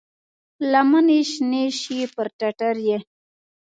لمنې شنې شي پر ټټر یې،